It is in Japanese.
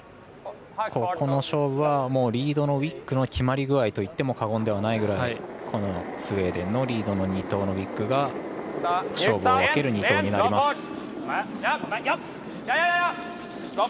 ここの勝負はリードのウィックの決まり具合だといっても過言ではないくらいこのスウェーデンのリードの２投のウィックが勝負を分ける２投になります。